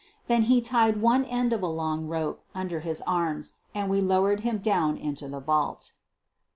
Then he tied one end of a long rope under his arms and we lowered him down into the vault.